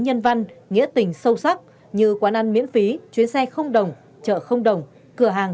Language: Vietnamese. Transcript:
nhân văn nghĩa tình sâu sắc như quán ăn miễn phí chuyến xe không đồng chợ không đồng cửa hàng